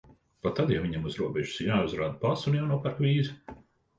Pat tad, ja viņiem uz robežas ir jāuzrāda pase un jānopērk vīza.